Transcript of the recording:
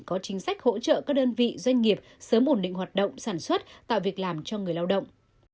có chính sách hỗ trợ các đơn vị doanh nghiệp sớm ổn định hoạt động sản xuất tạo việc làm cho người lao động